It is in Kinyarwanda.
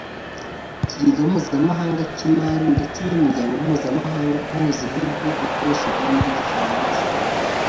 Ikigega Mpuzamahanga cy’Imari ndetse n’Umuryango Mpuzamahanga Uhuza ibihugu bikoresha ururimi rw’igifaransa